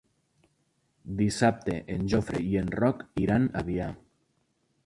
Dissabte en Jofre i en Roc iran a Avià.